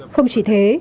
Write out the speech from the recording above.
không chỉ thế